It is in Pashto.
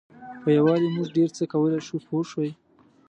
په یووالي موږ ډېر څه کولای شو پوه شوې!.